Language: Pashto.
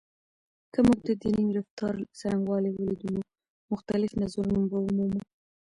که موږ د دیني رفتار څرنګوالی ولیدو، نو مختلف نظرونه به ومومو.